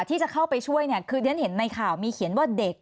ที่จะเข้าไปช่วยเนี่ยคือเรียนเห็นในข่าวมีเขียนว่าเด็ก